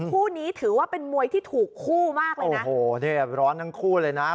คู่นี้ถือว่าเป็นมวยที่ถูกคู่มากเลยนะโอ้โหเนี่ยร้อนทั้งคู่เลยนะ